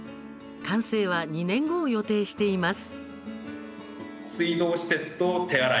完成は２年後を予定しています。